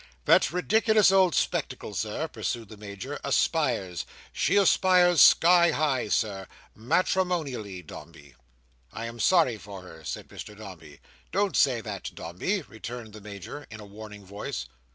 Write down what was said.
"That ridiculous old spectacle, Sir," pursued the Major, "aspires. She aspires sky high, Sir. Matrimonially, Dombey." "I am sorry for her," said Mr Dombey. "Don't say that, Dombey," returned the Major in a warning voice.